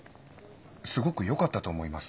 すごくよかったと思います。